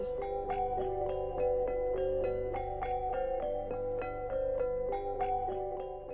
ketika dikeluarkan dari abrih tanpa adanya gaji